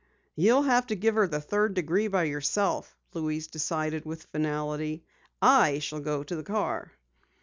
"You'll have to give her the third degree by yourself," Louise decided with finality. "I shall go to the car."